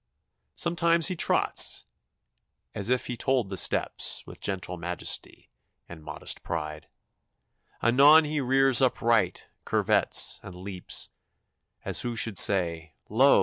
Sometimes he trots, as if he told the steps With gentle majesty and modest pride; Anon he rears upright, curvets, and leaps, As who should say, "Lo!